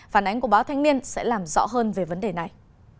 phản ánh của báo thanh niên sẽ làm rõ hơn về vấn đề này